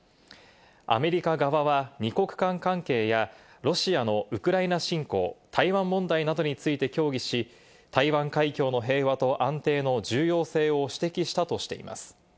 アメリカ側は二国間関係やロシアのウクライナ侵攻、台湾問題などについて協議し、台湾海峡の平和と安定の重要性を指摘したとしています。